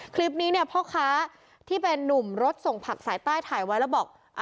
คลิปนี้เนี่ยพ่อค้าที่เป็นนุ่มรถส่งผักสายใต้ถ่ายไว้แล้วบอก